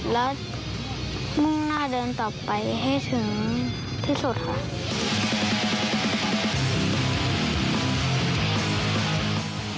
และมุ่งหน้าเดินต่อไปให้ถึงที่สุดค่ะ